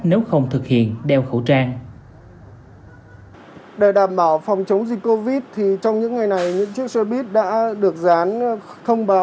nếu không thực hiện đeo khẩu trang